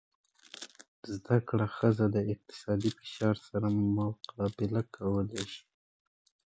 زده کړه ښځه د اقتصادي فشار سره مقابله کولی شي.